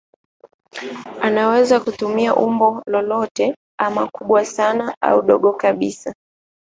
Anaweza kutumia umbo lolote ama kubwa sana au dogo kabisa.